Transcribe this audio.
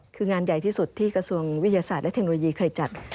คืองานใหญ่ที่สุดที่กระทรวงวิทยาศาสตร์และเทคโนโลยีเคยจัด